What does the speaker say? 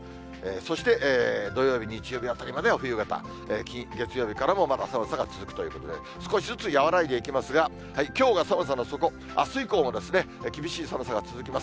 そして土曜日、日曜日あたりまでは冬型、月曜日からもまだ寒さが続くということで、少しずつ和らいでいきますが、きょうが寒さの底、あす以降も厳しい寒さが続きます。